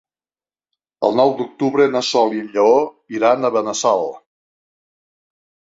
El nou d'octubre na Sol i en Lleó iran a Benassal.